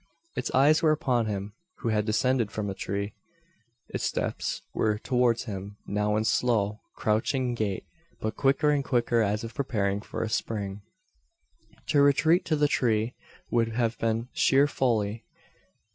Its eyes were upon him, who had descended from the tree its steps were towards him now in slow, crouching gait; but quicker and quicker, as if preparing for a spring. To retreat to the tree would have been sheer folly.